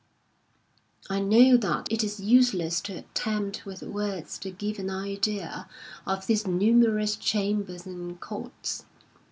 I know that it is useless to attempt with words to give an idea of these numerous chambers and courts.